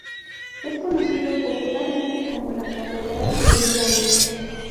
Es conocido popularmente como "La Catedral del Llano".